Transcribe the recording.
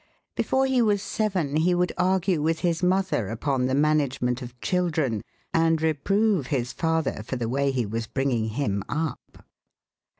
Before he was seven he would argue with his mother upon the management of children, and reprove his father for the way he was bringing him up.